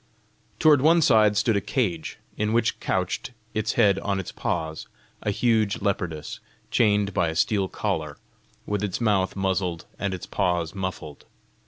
Toward one side stood a cage, in which couched, its head on its paws, a huge leopardess, chained by a steel collar, with its mouth muzzled and its paws muffled.